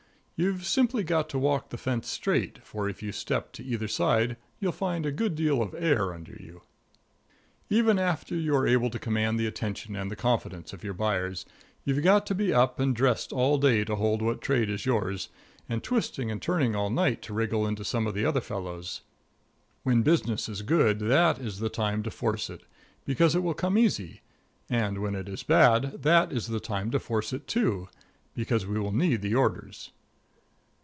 You've simply got to walk the fence straight, for if you step to either side you'll find a good deal of air under you. Even after you are able to command the attention and the confidence of your buyers, you've got to be up and dressed all day to hold what trade is yours, and twisting and turning all night to wriggle into some of the other fellow's. When business is good, that is the time to force it, because it will come easy; and when it is bad, that is the time to force it, too, because we will need the orders.